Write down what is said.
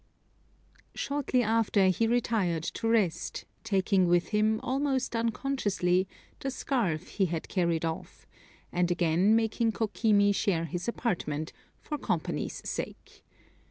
Shortly after, he retired to rest, taking with him, almost unconsciously, the scarf he had carried off, and again making Kokimi share his apartment, for company's sake.